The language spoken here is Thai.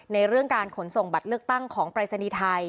เรื่องการขนส่งบัตรเลือกตั้งของปรายศนีย์ไทย